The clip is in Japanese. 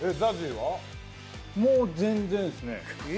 もう全然っすね。